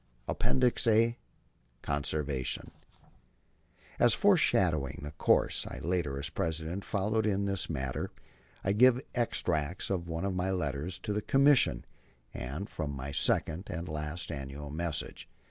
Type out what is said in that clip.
APPENDIX A CONSERVATION As foreshadowing the course I later, as President, followed in this matter, I give extracts from one of my letters to the Commission, and from my second (and last) Annual Message.